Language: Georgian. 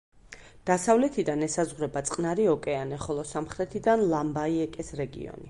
დასავლეთიდან ესაზღვრება წყნარი ოკეანე, ხოლო სამხრეთიდან ლამბაიეკეს რეგიონი.